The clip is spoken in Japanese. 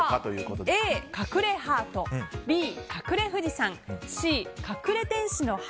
Ａ、隠れハートＢ、隠れ富士山Ｃ、隠れ天使の羽。